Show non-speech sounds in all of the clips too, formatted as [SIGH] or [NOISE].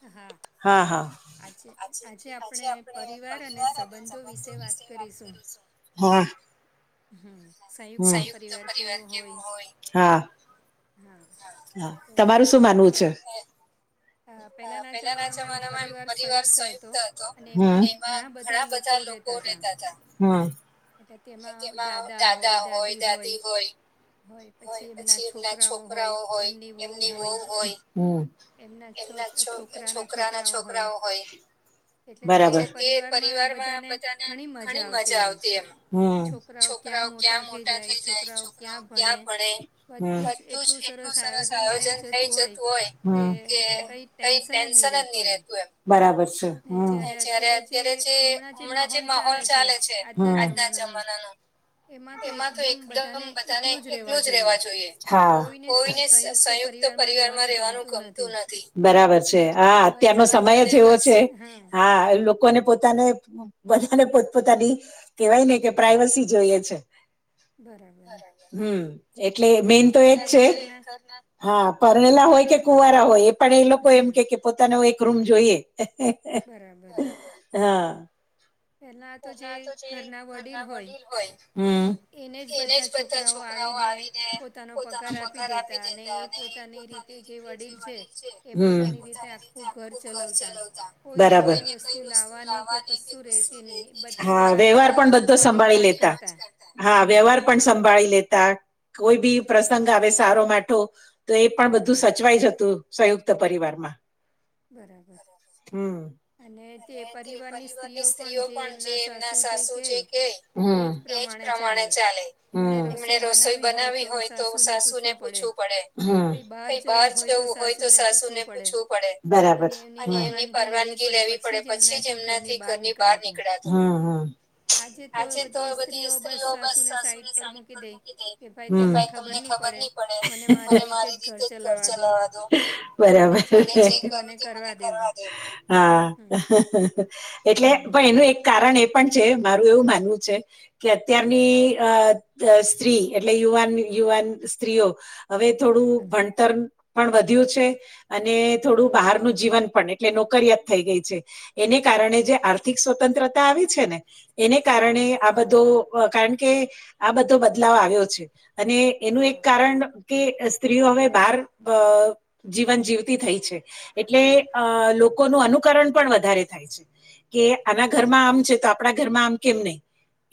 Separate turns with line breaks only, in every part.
હા.
હા, હા. આજે આપણે પરિવાર અને સંબંધો વિશે વાત કરીશુ, હા.
હા, સંયુક્ત પરિવાર કેવો હોય?
હા, તમારું શું માનવું છે? અહ પેલાના જમાનામાં પરિવાર સંયુક્ત હતો, એમાં ઘણા બધા લોકો બોવ રેતા તા હા કે એમાં દાદા હોય, દાદી હોય હોય પછી એમના છોકરાઓ હોય, એમની વહુ હોય, હમ્મ એમના છોક છોકરાના છોકરા હોય બરાબર તે પરિવારમાં બધાને ઘણી મજા આવતી એમ હમ્મ, છોકરાઓ ક્યાં મોટા થઈ જાય. ક્યાં ભણે બધુંજ એટલું સરસ આયોજન થઇ જતું હોય કે કઈ ટેન્શન જ નહી રેતું એમ, બરાબર છે, હા કે જ્યારે અત્યારે જે હમણાં જે માહોલ ચાલે છે આજના જમાનાનો એમાં તો એકદમ બંધ ધાને એકલું જ રેવા જોઈએ. કોઈને સંયુક્ત પરિવાર માં રેવાનું ગમતુ બરાબર છે, હા અત્યારનો સમય જ એવો છે, હા, એ લોકો લોકોને પોતાને બધાને પોતપોતાની, કેહેવાય ને કે, પ્રાઈવસી જોઈએ છે. હમ, એટલે મેન તો એજ છે. હા, પરણેલા હોય કે કુંવારા હોય એ પણ એ લોકો એમ કે પોતાનો એક રૂમ જોઈએ. હા.
પહેલાં તો જે ઘરના વડીલ હોય.
હમ. એને જ બધા છોકરાઓ આવીને પોતાનો પગાર આપી દેતા અને પોતા હમ, બરાબર. હા વ્યવહાર પણ બધો સંભાળી લેતા. હા, વ્યવહાર પણ સંભાળી લેતા, કોઈ બી પ્રસંગ આવે સારો માઠો તો એ પણ બધું સચવાઈ જ હતું સંયુક્ત પરિવારમાં.
બરાબર, અને તે પરિવારની સ્ત્રીઓ પણ જે
જે એમના સાસુ જે કે, એજ પ્રમાણે ચાલે. એમને રસોઈ બનાવી. [UNINTELLIGIBLE] હોય તો, સાસુને પૂછવું પડે, કઈ બહાર જવું હોય તો સાસુ ને પૂછવું પડે. બરાબર. અને એમની પરવાનગી લેવી પડે, પછી જ એમનાથી ઘરની બહાર નીકળ્યા. હમ હા. આજે તો બધી સ્ત્રીઓ બસ, સાસુને સાઈડ પર મૂકી દે, કે તમને ખબર નહીં. બરાબર. મને કરવા હા, એટલે ભાઈનું એક કારણ એ પણ છે મારું એવું માનવું છે, અ સ્ત્રી એટલે યુવાન યુવાન સ્ત્રીઓ, હવે થોડું ભણતર પણ વધ્યું છે, અને થોડું બહારનું જીવન પણ એટલે નોકરિયાત થઈ ગઈ છે. એને કારણે જે આર્થિક સ્વતંત્રતા આવી છે ને, એને કારણે બધો કારણ કે, આ બધો બદલાવ આવ્યો છે અને એનું એક કારણ કે સ્ત્રીઓ હવે, બહાર જીવન જીવતી થઈ છે, એટલે અ લોકોનું અનુકરણ પણ વધારે થાય છે. કે આના ઘરમાં આમ છે તો આપણા ઘરમાં આમ કેમ નહી,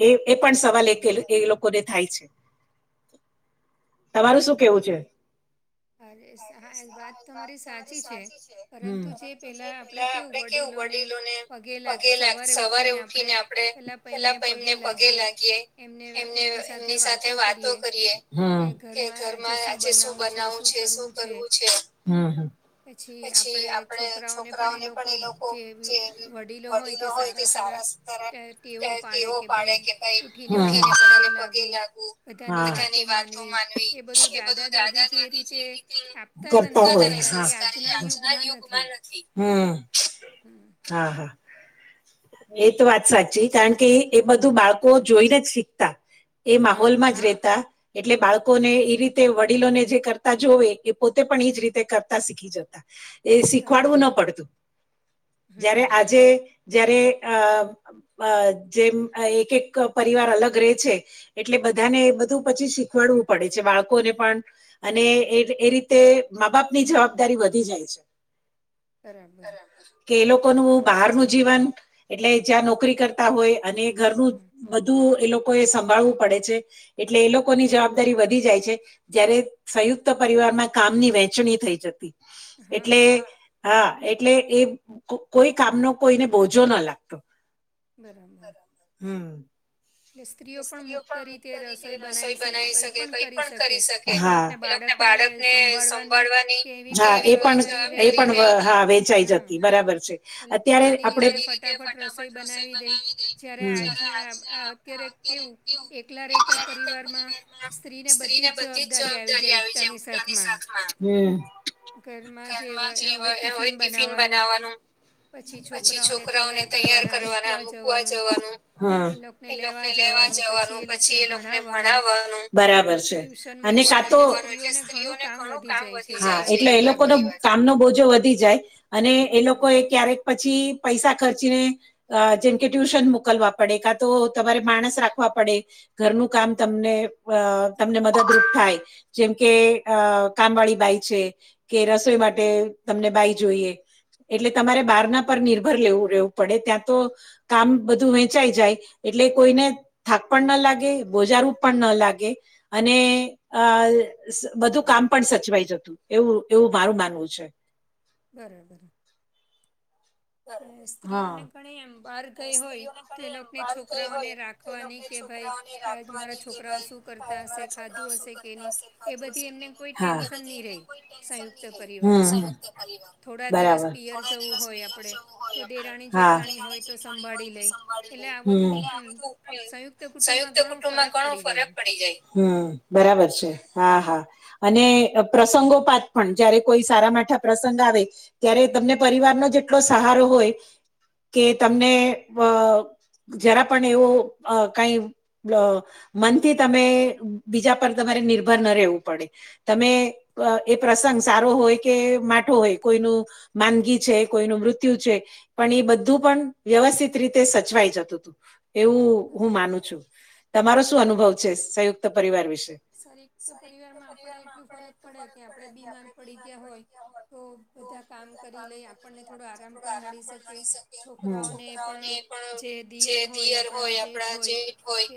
એ એ પણ સવાલ એકે એ ને થાય છે, તમારું શું કેવું છે?
અરે હા વાત તમારી સાચી છે, પરંતુ જે પેલા
પેહલા આપણે કેવું વડીલોને પગે લાગવું. સવારે ઉઠીને આપણે પહેલા એમને પગે લાગીએે, એમને એમની સાથે વાતો કરીએ, કે ઘરમાં આજે શું બ નવું છે શું કરવું છે. પછી આપણે છોકરાઓને પણ એ લોકો જે વડીલો હોય તે સારાર કેવો પાડે કે ભાઈને પગે લાગવું. બધાની વાતો માનવી, એ બધું દાદા દા આજના યુગમાં નથી.
હમ.
હા હા. એ તો વાત સાચી કારણ કે એ બધું બાળકો જોઈને જ શીખતા. એ માહોલમાં જ રહેેતા. એટલે બાળકોને એ વડીલોને જે કરતા જોવે એ પોતે પણ રીતે કરતા શીખે. એ શીખવાડવું ન પડતું, જ્યારે આજે જયારે અ આમ અ જેમ અ એક એક પરિવાર અલગ રહે છે એટલે બધાને બધું પછી શીખવાડવું પડે છે. બાળકોને પણ અને એ રી એ રીતે મા બાપની જવાબદારી વધી જાય છે.
બરાબર.
કે એ લોકોનું બહારનું જીવન એટલે, જ્યાં નોકરી કરતા હોય અને ઘરનું વધુ એ લોકો એ સંભાળવું પડે છે, એટલે એ લોકોની જવાબદારી વધી જાય છે. જયારે સંયુક્ત પરિવારમાં કામની વહેંચણી થઈ જતી. એટલે હા એટલે, એ કો કોઈ કામનો કોઈને બોજો ના લા તો
બરાબર.
હમ. ઈ સ્ત્રીઓ પણ મુક્ત રીતે રસોઈ બનાવી, શકે કઈ પણ કરી શકે હા [UNINTELLIGIBLE] બાળકને સંભાળવાની હા એ પણ એ પણ હા વેચાઈ જતી બરાબર છે. અત્યારે આપડે બધી રીતે ફટાફટ રસોઈ બનાવી દઈ જ પછી હવે આજે આપ હા અત્યારે કેવું [UNINTELLIGIBLE] પરિવારમાં સ્ત્રીને બધી જ જવાબદારી આવી જેમ ઉટાની શાખમાં. ઘરમાં જે હોય એ હોય ટિફિન બનાવવાનું. પછી છોકરાઓને તૈયાર કરવાના મૂકવા જવાનું. એ લોકોને લેવા જવાનું પછી, એ લોકોને ભણાવવાનું બરાબર છે. અને સાતો તો એટલે સ્ત્રીઓને ઘણું કામ વધી જાય હા એટલે એ લોકોનો કામનો બોજો વધી જાય. અને એ લોકોએ ક્યારેક પછી પૈસા ખર્ચીને જેમકે ટ્યુશન મોકલવા પડે. કા તો તમારે માણસ રાખવા પડે ઘરનું કામ તમને અ તમને મદદરૂપ થાય. જેમ કે અ કામવાળી બાઈ છે. કે રસોઈ માટે તમને બાઈ જોઈએ. એટલે તમારે બહારના પર નિર્ભર લેવું રહેેવું પડે ત્યાં તો કામ બધું વેંચાઈ જાય. એટલે કોઈને થાક પણ ન લાગે બોજારૂપ પણ ના લાગે. અને અ બધું કામ પણ સચવાઈ જતું. એવું એવું મારું માનવું છે.
બરાબર. અને સ્ત્રીઓને ઘણી એમ બહાર ગઈ હોય. તો એ લોકને છોકરાઓને રાખ ખવાની કે ભાઈ આ મારા છોકરાઓ શું કરતા હશે ખાધું હશે કે નહીં. એ બધી એમને કોઈ ટેન્શન ની રેહ સંયુક્ત
હમ
પરિવાર
હ.
થોડા દિવસ પિયર જવું હોય આપડે તો દેરાણી-જેઠાણી હોય તો સંભાળી લઈ, એટલે આ બધું એમ સંયુક્ત
સંયુક્ત કુટુંબમાં ઘણો ફરક પડી જાય. હમ બરાબર છે, હા હા. અને અ પ્રસંગોપાત પણ જયારે કોઈ સારા માઠા પ્રસંગ આવે ત્યારે તમને પરિવારનો જેટલો સહારો હોય કે તમને વ જરા પણ એવો અ કઈ લ મનથી તમે બીજા પર તમારે નિર્ભર ન રહેવું પડે. તમે વ એ પ્રસંગ સારો હોય કે માઠો હોય કોઈનું માંનગી છે કોઈનું મૃત્યુ છે. પણ એ બધું પણ વ્યવસ્થિત રીતે સચવાઈ જતુંતું. એવું હું માનું છું. તમારો શું અનુભવ છે. સંયુક્ત પરિવાર વિશે.
સંયુક્ત પરિવારમાં આપડે એટલું ફરક પડે કે આપડે બીમાર પડી ગ્યા હોય તો બધા કામ કરી લઈ આપ
[INAUDIBLE] છોકરાઓને પણ [UNINTELLIGIBLE] હોય આપડા જેઠ હોય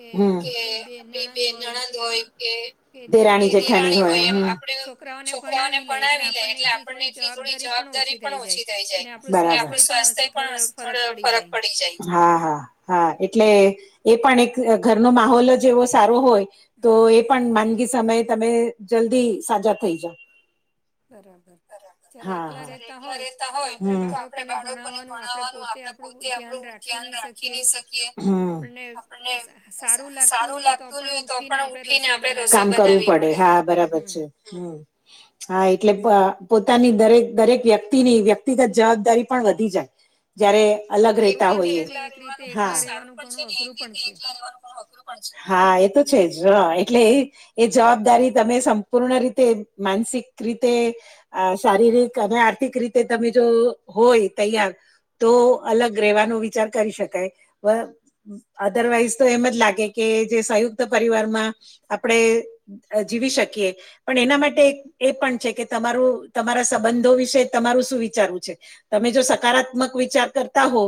કે આપડી બે નણદ હોય કે ધ રાણી જેઠા હોય, આપડ છોકરાઓને પણાવ લે એટલે પણને એટલી થોડી જવાબદારી પણ ઓછી થઈ જાય. બરા સ્વાસ્થ્ય પણ થોડ ફરક પડી જાય. હા, હા, હા. જે એ પણ એક ઘરનો માહોલ જેવો સારો હોય. તો એ પણ નગી સમય તમે જલ્દી સાજા થઈ જાઓ.
બરાબર.
હા એકલા રેતા હોય તો આપડે બાળકોને ભણવાનું આપ પોતે આપડું ધ્યાન રાખી નહી શકીએ, આપને સારું લાગ [UNINTELLIGIBLE] તો પણ ઉઠીને આપડે કામ કરવું પડે હા બરાબર છે. હા એટલે પણ પોતાની દરેક દરેક વ્યક્તિની વ્યક્તિગત જવાબદારી પણ વધી જાય જ્યારે અલગ રેતા હોયએ. હા એ તો છે જ એટલે એ જવાબદારી તમે સંપૂર્ણ રીતે માનસિક રીતે આ શારીરિક અને આર્થિક રીતે તમે જો હોય તૈયાર તો અલગ રહેેવાનો વિચાર કરી શકાય પણ અધરવાઈઝ તો એમ જ લાગે કે જે સંયુક્ત પરિવારમાં આપણેે જીવી શકીએ પણ એના માટે એક એ પણ છે કે તમારું તમારા સંબંધો વિશે તમારું શું વિચારવું છે? તમે જો સકારાત્મક વિચાર કરતા હો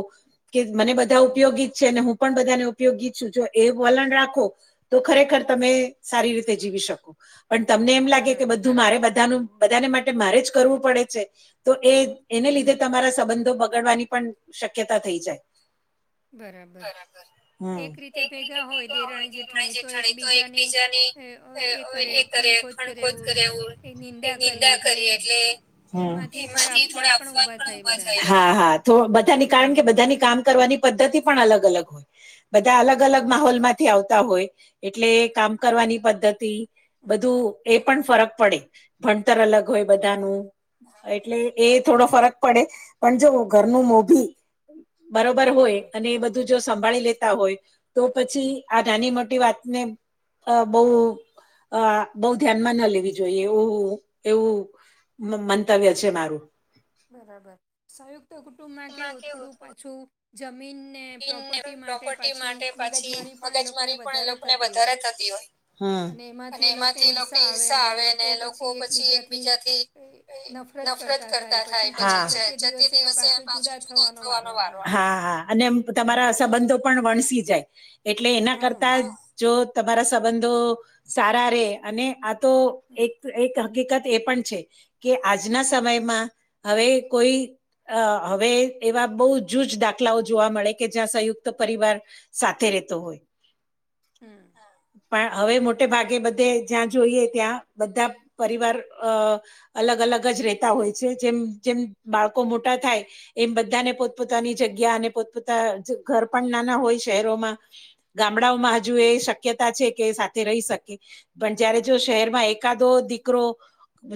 કે મને બધા ઉપયોગી છે અને હું પણ બધાને ઉપ ઉપયોગી છું જો એ વલણ રાખો તો ખરેખર તમે સારી રીતે જીવી શકો. પણ તમને એમ લાગે કે બધું મારે બધાનું બધાને માટે મારે જ કરવું પડે છે તો એ એને લીધે તમારા સંબંધો બગડવાની પણ શક્યતા થઈ જાય. બરાબર, હમ્મ, એક રીતે હોય જેઠ જેઠાણી એકબીજાની એ કરે ખણખોદ કરે એવું એ નિંદા કરીએ એટલે હમ્મ. એમાંથી થોડા અફવાદ પણ ઊભા થયા, હા હા તો બધાની કારણ કે બધાની કામ કરવાની પદ્ધતિ પણ અલગ અલગ હોય બધા અલગ અલગ માહોલમાં માંથી આવતા હોય એટલે કામ કરવાની પદ્ધતિ બધું એ પણ ફરક પડે ભણતર અલગ હોય બધાનું એટલે એ થોડો ફરક પડે પણ જો ઘરનું મોભી બરોબર હોય અને એ બધું જો સંભાળી લેતા હોય તો પછી આ નાની મોટી વાતને અ બવ આ બો ધ્યાનમાં ના લેવી જોઈએ. એવું મમંતવ્ય છે મારું.
બરાબર સંયુક્ત કુટુંબમાં કેવું થોડું પાછું જમીનને પ્રોપર્ટી માટે પાછી મગજમારી પણ એ લોકોને વધારે થતી હોય. અને એમાંથી એ લોકોને ઈર્ષા આવે અને એ લોકો પછી એકબીજાથી એ નફરત કરતા થાય.
હા, હા, હા, અને તમારા સંબંધો પણ વણસી જાય એટલે એના કરતા જો તમારા સંબંધો સારા રેય અને આ તો એક એક હકીકત એ પણ છે કે આજના સમયમાં હવે કોઈ અ હવે એવા બહુ જુજ દાખલાઓ જોવા મળે. કે જ્યાં સંયુક્ત પરિવાર, સાથે રહેતો હોય.
હમ.
પણ હવે મોટે ભાગે બધે જ્યાં જોઈએ ત્યાં બધા પરિવાર અ અલગ અલગ જ રહેેતા હોય છે જેમ જેમ બાળકો મોટા થાય. એમ બધાને પોતપોતાની જગ્યા અને પોતપોતા ઘર પણ નાના હોય શહેરોમાં. ગામડાઓમાં હજુ એ શક્યતા છે કે સાથે રહી શકે. પણ જયારે જો શહેરમાં એકાદો દીકરો.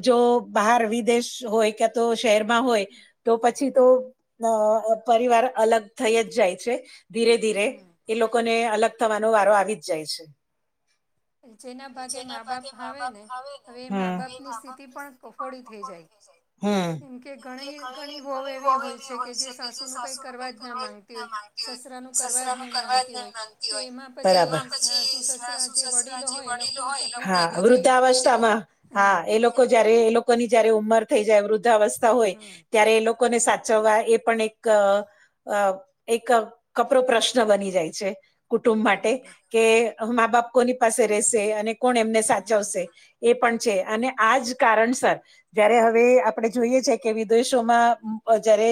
જો બહાર વિદેશ હોય કે તો શહેરમાં હોય, તો પછી તો અ પરિવાર અલગ થઈ જ જાય છે, ધીરે ધીરે એ લોકોને અલગ થવાનો વારો આવી જ જાય છે.
જેના ભાગે મા બાપ આવે ને, હવે એ મા બાપની સ્થિતિ પણ કફોડી થઈ જાય. કેમકે ઘણી ઘણી વહવ એવી હોય છે કે જે સાસુ નું કઈ કરવા
હોય સસરા નું કરવા જ ના માગતી હોય પછીસ [UNINTELLIGIBLE] વૃદ્ધાવસ્થામાં હા એ લો જયારે એ લોકો ની જયારે ઉંમર થઈ જાય વૃદ્ધાવસ્થા હોય, ત્યારે લોકો લોકોને સાચવવા એ પણ એક અ એક કપરો પ્રશ્ન બની જાય છે, કુટુંબ માટે. કે મા બાપ કોની પાસે રશે અને કોણ એમને સાચવશે. એ પણ છે અને આજ કારણસર. જયારે હવે આપડણે જોઈએ છે કે વિદેશોમાં જયારે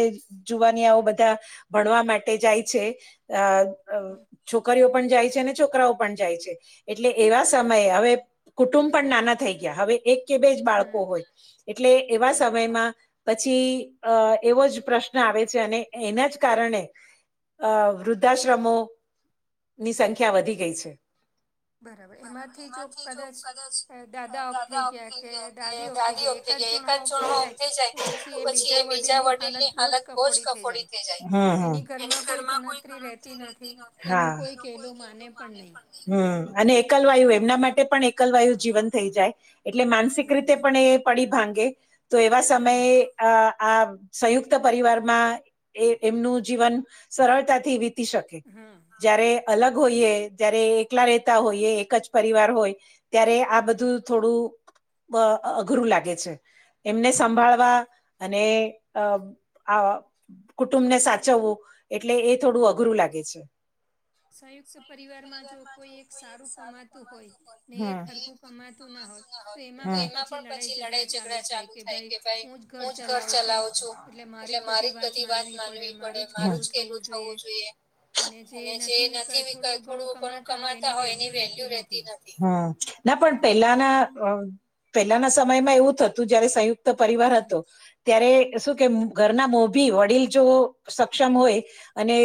જોવાની આવો બધા. ભણવા માટે જાય છે, અ છોકરીઓ પણ જાય છે અને છોકરાઓ પણ જાય છે, એટલે એવા સમયે હવે કુટુંબ પણ નાના થઈ ગયા હવે એક કે બેજ બાળકો હોય, એટલે એવા સમયમાં પછી અ એવો જ પ્રશ્ન આવે છે અને એના જ કારણે, અ વૃદ્ધાશ્રમો. ની સંખ્યા વધી ગઈ છે.
બરાબર એમાંથી જો કદાચ દાદા ઓફ થઈ ગયા કે દાદી ઓફ થઈ ગયા એક એકાદ જણો ઓપ થઈ જાય, તો પછી એ બીજા વડીલની હાલત બહુ જ કફોડી થઈ જાય. એની ઘરમાં કોઈ ગણતરી રહેતી નથી, એનું કોઈ કેલું માને પણ નહીં.
હમ અને એકલવાયુ એમના માટે પણ એકલવાયુ જીવન થઈ જાય. એટલે માનસિક રીતે પણ એ પડી ભાંગે, તો એવા સમયે અ આ સંયુક્ત પરિવારમાં એમનું જીવન સરળતાથી વીતી શકે. જયારે અલગ હોઈએ જારે એકલા રહેતા હોઈએ એક જ પરિવાર હોય. ત્યારે આ બધું થોડું અઘરું લાગે છે. એમને સંભાળવા અને અ આ કુટુંબ ને સાચવવું, એટલે એ થોડું અઘરું લાગે છે.
સંયુક્ત પરિવારમાં જો કોઈ એક સારું કમાતું હોય, ને એક હરખું કમાતું ના હોય, તો એમાં પણ પછી લડાઈ ઝઘડા ચાલુ થાય કે ભાઈ હું જ ઘર ચલાવું છું. એટલે મારી જ બધી વાત માનવી પડે મારું જ કેલું થવું જોઈએ. અને જે નથી
હ પણ પેલા પેલાના પહેલાના સમયમાં એવું થતું જયારે સંયુક્ત પરિવાર હતો. ત્યારે શું કે ઘરના મોભી વડીલ જો સક્ષમ હોય અને